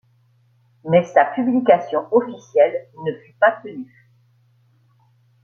Mais sa publication officielle ne fut pas tenue.